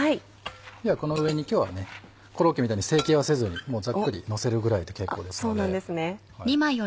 ではこの上に今日はコロッケみたいに成形はせずにざっくりのせるぐらいで結構ですので。